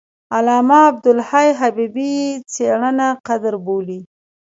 علامه عبدالحي حبیبي یې څېړنه قدر بولي.